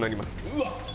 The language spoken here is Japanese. うわっ！